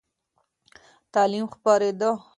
تعلیم خپرېده.